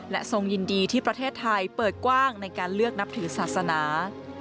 ทรงยินดีที่ประเทศไทยเปิดกว้างในการเลือกนับถือศาสนา